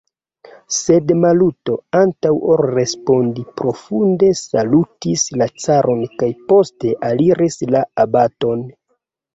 Sed Maluto, antaŭ ol respondi, profunde salutis la caron kaj poste aliris la abaton.